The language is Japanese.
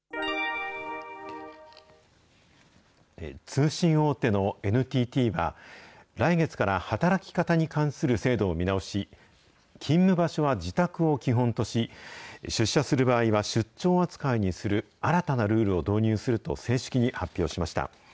通信大手のＮＴＴは、来月から働き方に関する制度を見直し、勤務場所は自宅を基本とし、出社する場合は、出張扱いにする新たなルールを導入すると正式に発表しました。